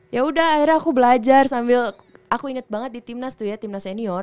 ya udah akhirnya aku belajar sambil aku inget banget di timnas tuh ya timnas senior